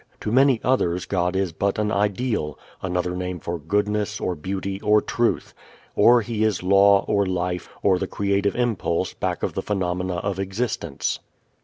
To many others God is but an ideal, another name for goodness, or beauty, or truth; or He is law, or life, or the creative impulse back of the phenomena of existence.